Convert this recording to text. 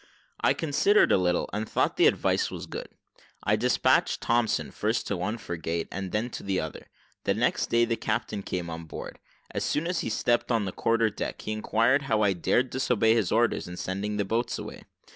I considered a little, and thought the advice good. I despatched Thompson first to one frigate, and then to the other. The next day the captain came on board. As soon as he stepped on the quarter deck, he inquired how I dared disobey his orders in sending the boats away.